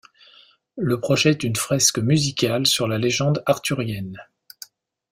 Le projet est une fresque musicale sur la légende arthurienne.